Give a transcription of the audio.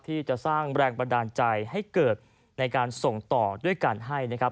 ที่จะสร้างแรงบันดาลใจให้เกิดในการส่งต่อด้วยการให้นะครับ